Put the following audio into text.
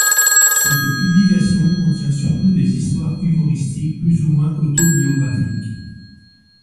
Cette publication contient surtout des histoires humoristiques plus ou moins autobiographiques.